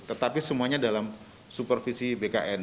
tetapi semuanya dalam supervisi bkn